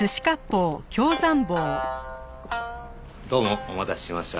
どうもお待たせしました。